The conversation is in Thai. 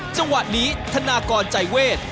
จังหวะนี้ธนากรใจเวท